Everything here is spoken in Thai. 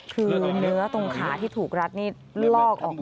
คือเนื้อตรงขาที่ถูกรัดนี่ลอกออกมา